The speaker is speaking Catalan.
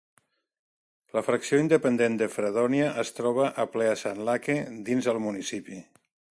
La fracció independent de Fredonia es troba a Pleasant Lake dins el municipi.